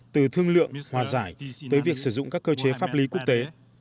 từ thương lượng hòa giải tới việc sử dụng các cơ chế pháp lý quốc tế